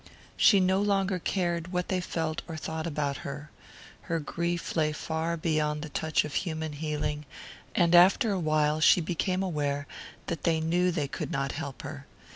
She no longer cared what they felt or thought about her. Her grief lay far beyond touch of human healing, and after a while she became aware that they knew they could not help her.